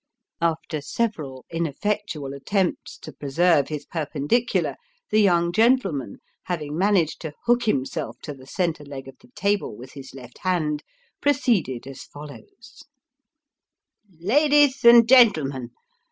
After several ineffectual attempts to preserve his perpendicular, the young gentle man, having managed to hook himself to the centre leg of the table with his left hand, proceeded as follows :" Ladies and gentlemen.